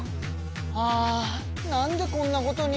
あなんでこんなことに。